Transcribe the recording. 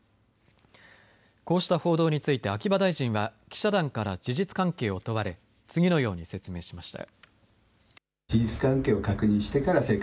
こうした報道について秋葉大臣は記者団から事実関係を問われ、次のように説明しました。